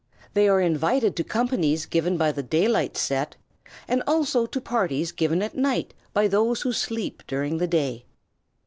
They are invited to companies given by the daylight set, and also to parties given at night by those who sleep during the day.